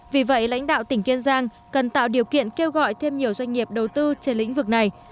vì vậy lãnh đạo tỉnh kiên giang cần tạo điều kiện kêu gọi thêm nhiều doanh nghiệp đầu tư trên lĩnh vực này